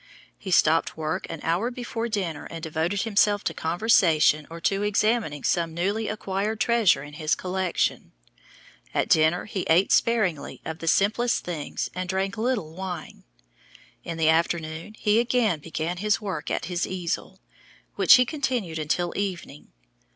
He stopped work an hour before dinner and devoted himself to conversation or to examining some newly acquired treasure in his collection. At dinner he ate sparingly of the simplest things and drank little wine. In the afternoon he again began his work at his easel, which he continued until evening.